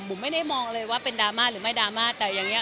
ผมไม่ได้มองเลยว่าเป็นดราม่าหรือไม่ดราม่าแต่อย่างนี้